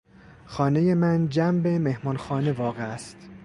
خانهٔ من جنب مهمانخانه واقع است.